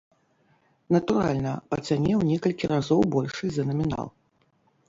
Натуральна, па цане ў некалькі разоў большай за намінал.